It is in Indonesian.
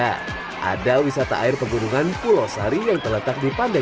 ada wisata air pegunungan pulau sari yang terletak di pantai